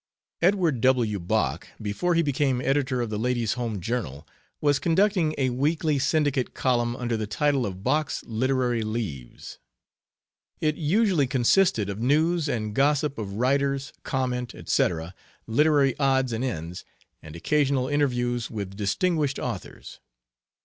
Edward W. Bok, before he became editor of the Ladies Home Journal, was conducting a weekly syndicate column under the title of "Bok's Literary Leaves." It usually consisted of news and gossip of writers, comment, etc., literary odds and ends, and occasional interviews with distinguished authors.